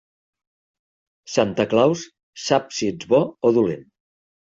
Santa Claus sap si ets bo o dolent.